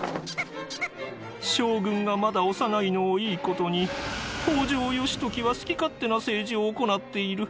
将軍がまだ幼いのをいいことに北条義時は好き勝手な政治を行っている。